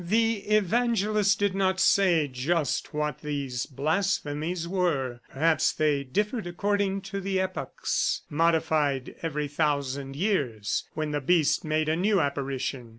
The evangelist did not say just what these blasphemies were, perhaps they differed according to the epochs, modified every thousand years when the beast made a new apparition.